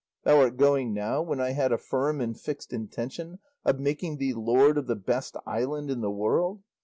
Thou art going now when I had a firm and fixed intention of making thee lord of the best island in the world?